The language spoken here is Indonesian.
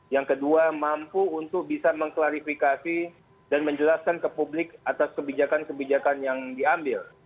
yang kedua mampu untuk bisa mengklarifikasi dan menjelaskan ke publik atas kebijakan kebijakan yang diambil